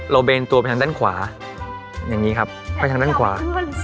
เบนตัวไปทางด้านขวาอย่างนี้ครับไปทางด้านขวา